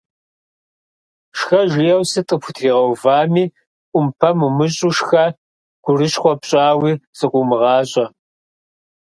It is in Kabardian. Шхэ жиӏэу сыт къыпхутримыгъэувами – ӏумпэм умыщӏу, шхэ, гурыщхъуэ пщӏауи зыкъыумыгъащӏэ.